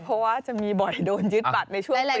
เพราะว่าจะมีบ่อยโดนยึดบัตรไปช่วยเลย